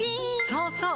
そうそう！